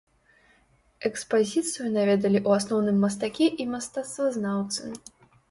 Экспазіцыю наведалі ў асноўным мастакі і мастацтвазнаўцы.